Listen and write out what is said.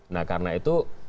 nah karena itu